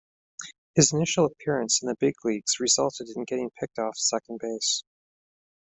His initial appearance in the big leagues resulted in getting picked off second base.